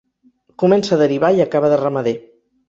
Comença a derivar i acaba de ramader.